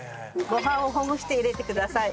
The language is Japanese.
ご飯をほぐして入れてください。